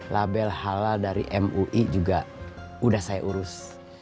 label halal dari mui juga udah saya urus